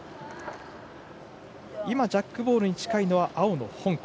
今ジャックボールに近いのは青の香港。